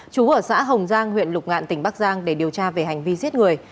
chú ở xã hồng giang huyện lục ngạn tỉnh bắc giang để điều tra về hành vi giết người